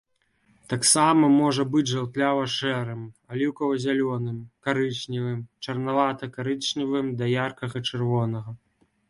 Таксама можа быць жаўтлява-шэрым, аліўкава-зялёным, карычневым, чырванавата-карычневым да яркага-чырвонага.